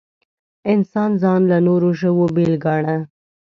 انسان ځان له نورو ژوو بېل ګاڼه.